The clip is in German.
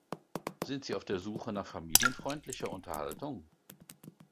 Sind Sie auf der Suche nach familienfreundlicher Unterhaltung?